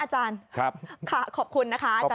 มันจริงนะอาจารย์ขอบคุณนะครับอาจารย์สุภาพ